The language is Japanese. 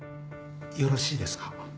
よろしいですか？